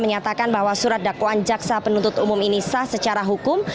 menyatakan bahwa surat dakwaan jaksa penuntut umum ini sah secara hukum